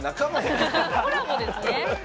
コラボですね。